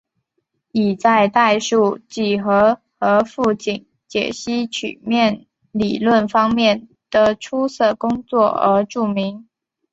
以在代数几何和紧复解析曲面理论方面的出色工作而著名。